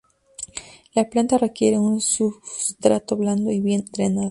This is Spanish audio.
La planta requiere un sustrato blando y bien drenado.